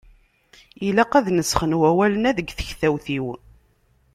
Ilaq ad nesxen wawalen-a deg tektawt-ik.